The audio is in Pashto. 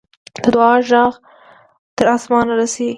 د دعا ږغ تر آسمانه رسي.